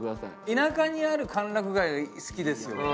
田舎にある歓楽街好きですよ俺。